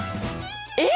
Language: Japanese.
え？